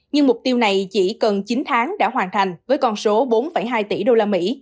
nhưng mục tiêu này chỉ cần chín tháng đã hoàn thành với con số bốn hai tỷ usd